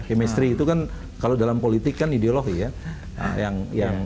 chemistry itu kan kalau dalam politik kan ideologi ya